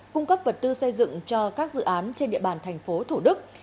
cung cấp vật tư xây dựng cho các dự án trên địa bàn thành phố thủ đức